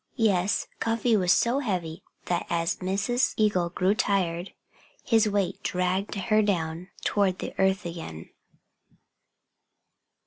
Yes, Cuffy was so heavy that as Mrs. Eagle grew tired his weight dragged her down toward the earth again.